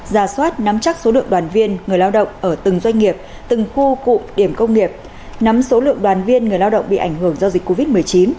ra soát nắm chắc số lượng đoàn viên người lao động ở từng doanh nghiệp từng khu cụm điểm công nghiệp nắm số lượng đoàn viên người lao động bị ảnh hưởng do dịch covid một mươi chín